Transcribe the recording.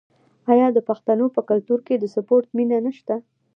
آیا د پښتنو په کلتور کې د سپورت مینه نشته؟